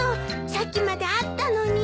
さっきまであったのに。